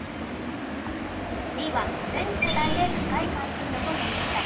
２位は、全世代で高い関心度となりました。